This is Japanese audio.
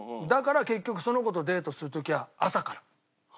だから結局その子とデートする時は朝から。